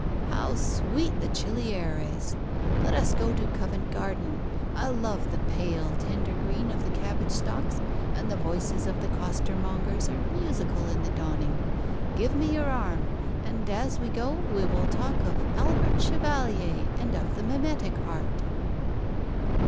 How sweet the chilly air is! Let us go to Covent Garden. I love the pale, tender green of the cabbage stalks, and the voices of the costermongers are musical in the dawning. Give me your arm, and, as we go, we will talk of Albert Chevalier and of the mimetic art."